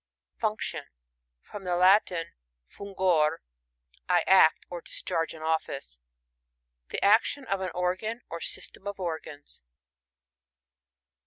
Function. — From the Latin, fun^or^ I act, or discharge an office. The action of an organ or system of organs.